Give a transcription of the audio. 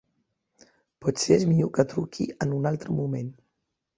Potser és millor que truqui en un altre moment.